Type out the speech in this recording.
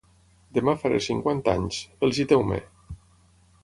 Demà faré cinquanta anys: feliciteu-me!